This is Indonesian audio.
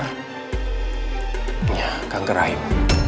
iya kanker rahim